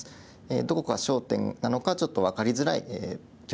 どこが焦点なのかちょっと分かりづらい局面ですね。